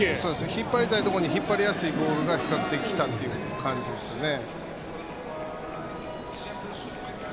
引っ張りたいところに引っ張りやすい球が比較的来たという感じですね。